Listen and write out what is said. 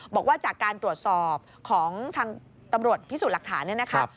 บอกว่าจากการตรวจสอบของทางตำรวจพิสูจน์หลักฐานเนี่ยนะครับ